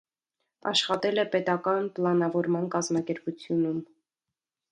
Աշխատել է պետական պլանավորման կազմակերպությունում։